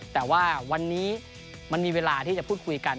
แต่ว่าวันนี้มันมีเวลาที่จะพูดคุยกัน